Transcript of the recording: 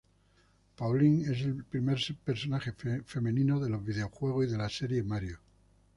Pauline es el primer personaje femenino de los videojuegos y de la serie Mario.